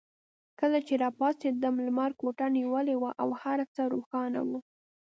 کله چې راپاڅېدم لمر کوټه نیولې وه او هر څه روښانه وو.